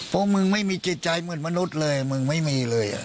กิจใจเหมือนมนุษย์เลยมึงไม่มีเลย